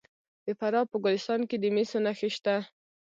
د فراه په ګلستان کې د مسو نښې شته.